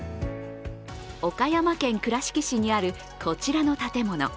岡山県倉敷市にあるこちらの建物。